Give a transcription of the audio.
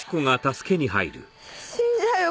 死んじゃうよ